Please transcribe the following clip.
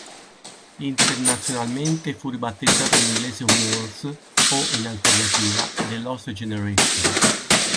Internazionalmente, fu ribattezzato in inglese "Walls" o, in alternativa, "The Lost Generation".